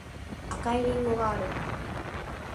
赤いりんごがある